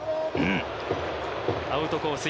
アウトコース